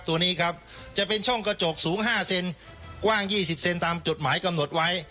ตัวนี้ครับจะเป็นช่องกระจกสูง๕เซนกว้าง๒๐เซนตามจดหมายกำหนดไว้